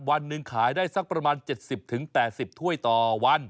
วันหนึ่งขายได้สักประมาณ๗๐๘๐ถ้วยต่อวัน